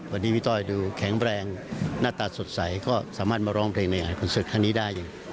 วันนี้พี่ต้อยดูแข็งแรงหน้าตาสดใสก็สามารถมาร้องเพลงในคอนเสิร์ตครั้งนี้ได้